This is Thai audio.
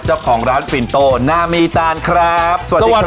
เจ้าของร้านฟินโตนามีตานครับ